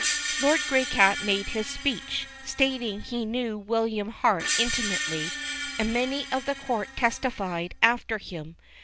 Lord Graycat made his speech, stating he knew William Hart intimately, and many of the court testi fied after him.